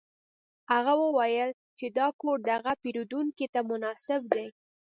هغه وویل چې دا کور د هغه پیرودونکي ته مناسب دی